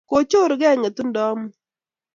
kochorugei ng'etung'do amut